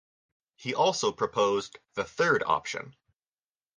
He also proposed the Third Option.